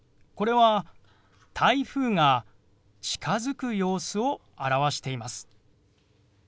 これは台風が近づく様子を表しています。